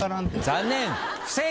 残念不正解！